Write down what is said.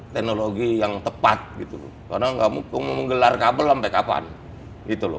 teknologi yang tepat gitu loh karena ga mutleng menggelar kabel sampai kapan gitu loh